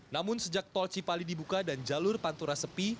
namun sejak tol cipali dibuka dan jalur pantura sepi